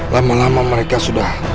lama lama mereka sudah